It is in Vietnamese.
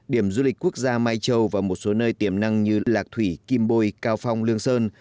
điểm du lịch quốc gia mai châu và một số nơi tiềm năng như lạc thủy kim bôi cao phong lương sơn